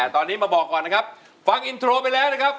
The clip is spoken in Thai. ตอนนี้มาบอกก่อนนะครับฟังอินโทรไปแล้วนะครับ